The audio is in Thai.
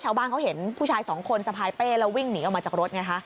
ชาวบ้านเขาเห็นผู้ชายสองคนสะพายเป้แล้ววิ่งหนีออกมาจากรถไงคะ